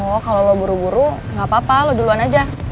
oh kalau lo buru buru gak apa apa lo duluan aja